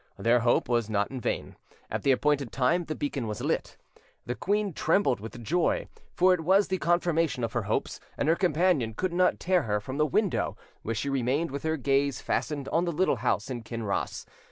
Their hope was not in vain: at the appointed time the beacon was lit. The queen trembled with joy, for it was the confirmation of her hopes, and her companion could not tear her from the window, where she remained with her gaze fastened on the little house in Kinross.